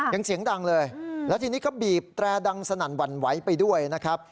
เสียงดังเลยแล้วทีนี้ก็บีบแตรดังสนั่นหวั่นไหวไปด้วยนะครับ